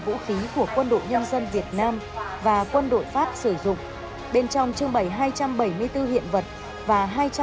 vũ khí của quân đội nhân dân việt nam và quân đội pháp sử dụng bên trong trưng bày hai trăm bảy mươi bốn hiện vật và